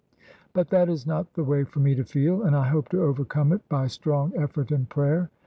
] But that is not the way for me to feel, and I hope to overcome it by strong effort and prayer.